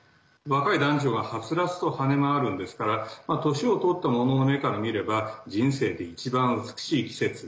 若い男女がはつらつと跳ね回るんですから年をとった者の目から見れば人生で一番美しい季節。